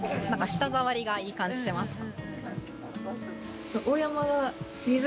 舌触りがいい感じしました。